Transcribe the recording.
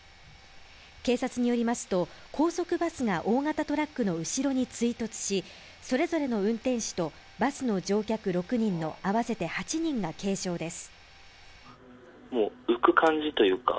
警察によりますと高速バスが大型トラックの後ろに追突し、それぞれの運転手とバスの乗客６人の合わせて８人が軽傷です。